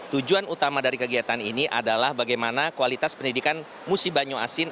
tujuan utama dari kegiatan ini adalah bagaimana kualitas pendidikan musi banyu asin